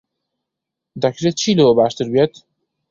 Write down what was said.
دەکرێت چی لەوە باشتر بێت؟